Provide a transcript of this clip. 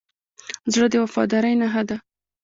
زړه د وفادارۍ نښه ده.